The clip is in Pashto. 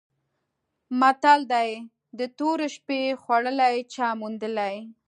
متل دی: د تورې شپې خوړلي چا موندلي؟